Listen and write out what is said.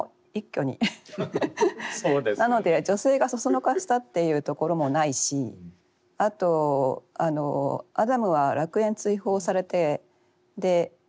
なので女性がそそのかしたというところもないしあとアダムは楽園追放されて神と和解してるんです。